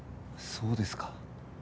そうですか。